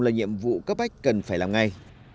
là nhiệm vụ cấp bách cần phải làm ngay